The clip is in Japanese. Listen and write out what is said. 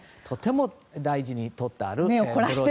とても大事に取ってあると。